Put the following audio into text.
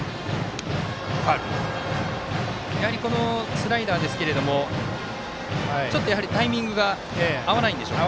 スライダーですけれどもちょっと、タイミングが合わないんでしょうか。